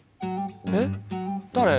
えっ誰？